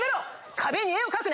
壁に絵を描くな！